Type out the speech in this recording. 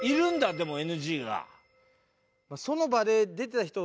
でもＮＧが。